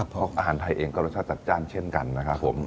เพราะอาหารไทยเองก็รสชาติจัดจ้านเช่นกันนะครับผม